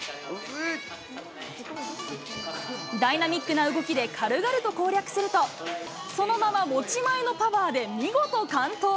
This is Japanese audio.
ダイナミックな動きで、軽々と攻略すると、そのまま持ち前のパワーで見事、完登。